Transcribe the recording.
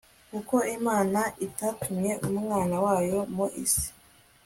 Kuko Imana itatumye Umwana wayo mu isi